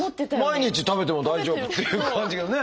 毎日食べても大丈夫っていう感じがね。